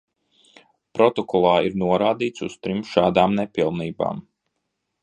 Protokolā ir norādīts uz trim šādām nepilnībām.